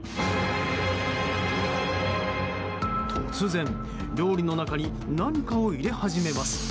突然、料理の中に何かを入れ始めます。